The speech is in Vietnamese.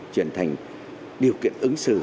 chuyển thành điều kiện ứng xử